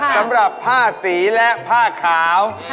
สำหรับผ้าสีและผ้าขาว